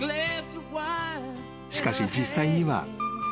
［しかし実際には］